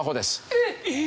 えっ！